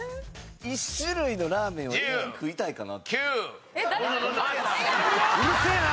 １種類のラーメン食いたいかな。